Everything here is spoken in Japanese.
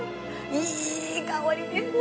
いい香りですね。